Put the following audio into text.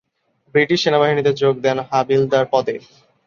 British সেনাবাহিনীতে যোগ দেন হাবিলদার পদে।